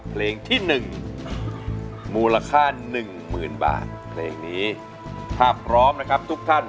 เพลงที่๑มูลค่าหนึ่งหมื่นบาทเพลงนี้ถ้าพร้อมนะครับทุกท่าน